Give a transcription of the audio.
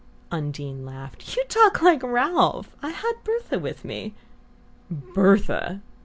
Undine laughed. "You talk like Ralph! I had Bertha with me." "BERTHA!"